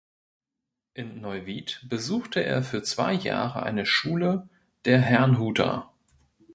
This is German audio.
In Neuwied besuchte er für zwei Jahre eine Schule der Herrnhuter.